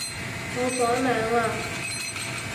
我改名嘞